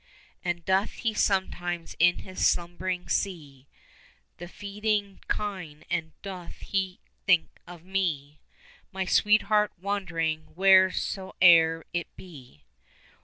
20 And doth he sometimes in his slumbering see The feeding kine and doth he think of me, My sweetheart wandering wheresoe'er it be?